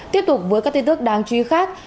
tiếp tục với các tin tức đáng chú ý khác